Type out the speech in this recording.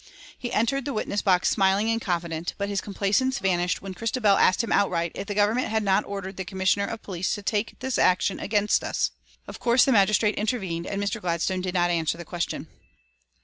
He entered the witness box smiling and confident, but his complacence vanished when Christabel asked him outright if the Government had not ordered the Commissioner of Police to take this action against us. Of course the magistrate intervened, and Mr. Gladstone did not answer the question.